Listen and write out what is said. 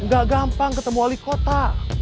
gak gampang ketemu wali kota